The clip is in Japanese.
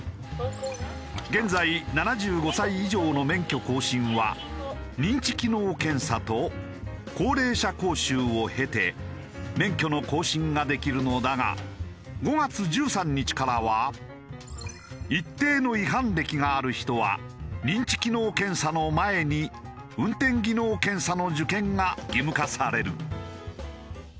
現在７５歳以上の免許更新は認知機能検査と高齢者講習を経て免許の更新ができるのだが５月１３日からは一定の違反歴がある人は認知機能検査の前に運転技能検査の受検が義務化される。